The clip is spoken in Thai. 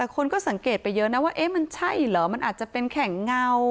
คนก็สังเกตไปเยอะนะว่ามันใช่เหรอมันอาจจะเป็นแข่งเงา